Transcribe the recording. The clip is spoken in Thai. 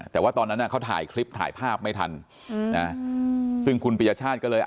แต่ว่าตอนนั้นเขาถ่ายคลิปถ่ายภาพไม่ทันซึ่งคุณปียชาติก็เลย